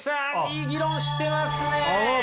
いい議論してますね。